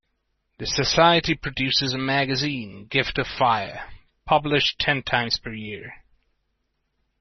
The society produces a magazine, "Gift of Fire", published ten times per year.